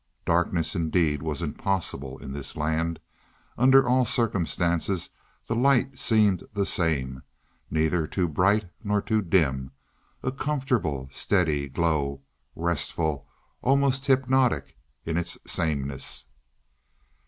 Darkness indeed was impossible in this land; under all circumstances the light seemed the same neither too bright nor too dim a comfortable, steady glow, restful, almost hypnotic in its sameness.